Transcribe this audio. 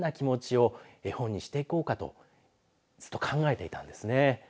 どんな気持ちを絵本にして行こうかとずっと考えていたんですね。